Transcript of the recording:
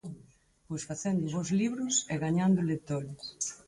Pois facendo bos libros e gañando lectores.